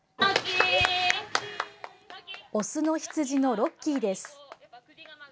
オスの羊のロッキーです。